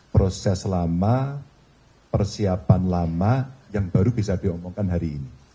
proses lama persiapan lama yang baru bisa diomongkan hari ini